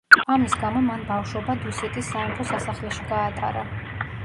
ამის გამო მან ბავშვობა დუსიტის სამეფო სასახლეში გაატარა.